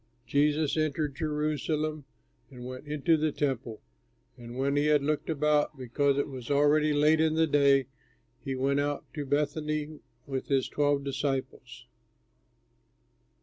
Jesus entered Jerusalem and went into the Temple. And when he had looked about, because it was already late in the day, he went out to Bethany with his twelve disciples.